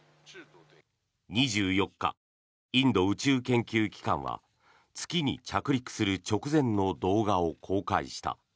２４日、インド宇宙研究機関は月に着陸する直前の動画を公開した。